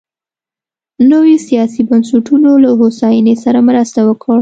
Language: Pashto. نویو سیاسي بنسټونو له هوساینې سره مرسته وکړه.